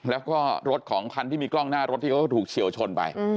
แล้วก็รถของคันที่มีกล้องหน้ารถที่เขาถูกเฉียวชนไป